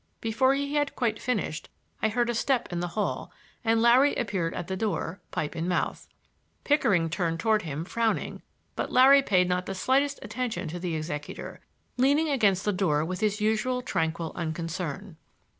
Before he had quite finished I heard a step in the hall and Larry appeared at the door, pipe in mouth. Pickering turned toward him frowning, but Larry paid not the slightest attention to the executor, leaning against the door with his usual tranquil unconcern.